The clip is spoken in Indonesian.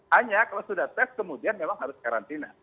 hanya kalau sudah tes kemudian memang harus karantina